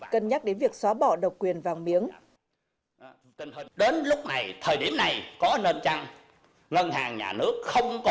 cân nhắc đến việc xóa bỏ độc quyền vàng miếng